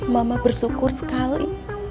mama bersyukur sekali